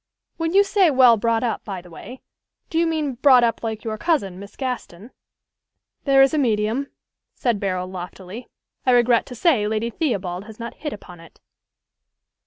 "When you say well brought up, by the way, do you mean brought up like your cousin, Miss Gaston?" "There is a medium," said Barold loftily. "I regret to say Lady Theobald has not hit upon it."